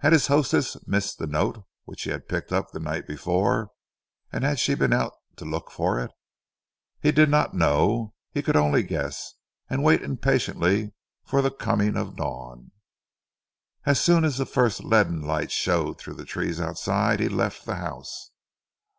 Had his hostess missed the note which he had picked up the night before, and had she been out to look for it? He did not know, he could only guess, and wait impatiently for the coming of dawn. As soon as the first leaden light showed through the trees outside he left the house.